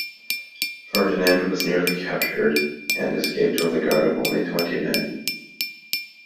Ferdinand was nearly captured and escaped with a guard of only twenty men.